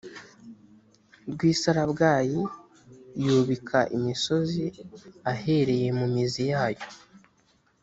rw isarabwayi yubika imisozi ahereye mu mizi yayo